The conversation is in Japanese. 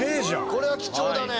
これは貴重だね。